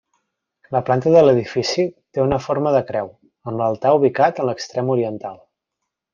La planta de l'edifici té una forma de creu, amb l'altar ubicat en l'extrem oriental.